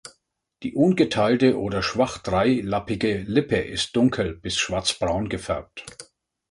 Die ungeteilte oder schwach dreilappige Lippe ist dunkel- bis schwarzbraun gefärbt.